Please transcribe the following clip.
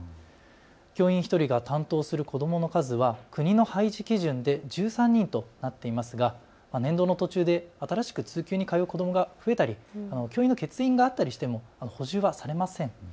教員１人が担当する子どもの数は国の配置基準で１３人となっていますが年度の途中で新しく通級に通う子どもが増えたり欠員があったりしても補充はされません。